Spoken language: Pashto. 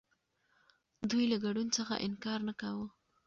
دوی له ګډون څخه انکار نه کاوه.